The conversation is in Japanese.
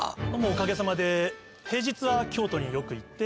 おかげさまで。